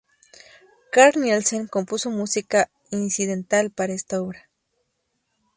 Carl Nielsen compuso música incidental para esta obra.